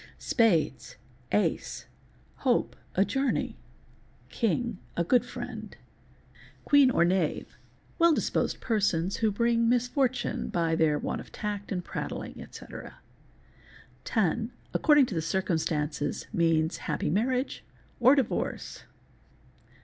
SpapES.—Ace—hope, a journey. King—a good friend. Queen or — Knave—well disposed persons who bring misfortune by their want of — tact, and prattling, ete. Ten—according to circumstances means happy — marriage or divorce.